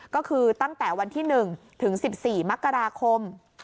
ก็คือตั้งแต่วันที่๑ถึง๑๔มกราคม